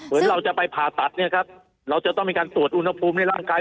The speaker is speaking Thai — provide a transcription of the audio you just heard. เหมือนเราจะไปผ่าตัดเนี่ยครับเราจะต้องมีการตรวจอุณหภูมิในร่างกาย